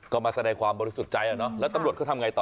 ก็มาแสดงความบริสุทธิ์ใจแล้วตำรวจเขาทำไงต่อ